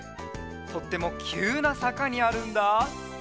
とってもきゅうなさかにあるんだ！